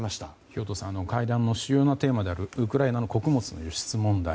兵頭さん会談の主要なテーマであるウクライナの穀物の輸出問題